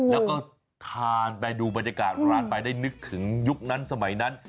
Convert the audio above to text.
แล้วก็ทานไปดูบรรยากาศร้านไปได้นึกถึงยุคนั้นสมัยนั้น